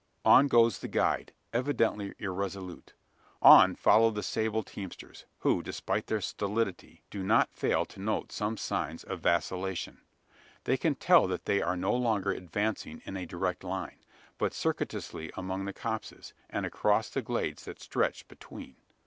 On goes the guide, evidently irresolute. On follow the sable teamsters, who, despite their stolidity, do not fail to note some signs of vacillation. They can tell that they are no longer advancing in a direct line; but circuitously among the copses, and across the glades that stretch between.